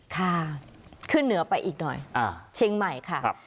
ค่ะขึ้นเหนือไปอีกหน่อยเชียงใหม่ค่ะ